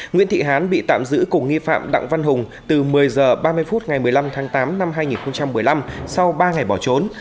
nguyễn thị hán bị tạm giữ cùng nghi phạm đặng văn hùng từ một mươi h ba mươi phút ngày một mươi năm tháng tám năm hai nghìn một mươi năm sau ba ngày bỏ trốn